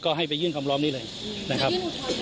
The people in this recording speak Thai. ก็ให้ไปยื่นคำร้องนี้เลยนะครับ